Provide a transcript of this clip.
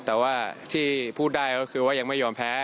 แต่ว่าที่พูดได้ก็คือว่ายังไม่ยอมแพ้